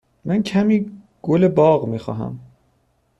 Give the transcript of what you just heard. من کمی گل باغ می خواهم.